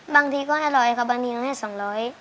บางทีก็ให้ร้อยค่ะบางทีเราให้สองร้อย